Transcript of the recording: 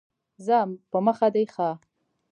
ځه په مخه دي ښه !